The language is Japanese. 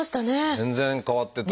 全然変わってた。